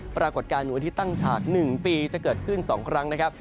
ปรากฏการณ์วันอาทิตย์ตั้งฉาก๑ปีจะเกิดขึ้น๒ครั้งนะครับ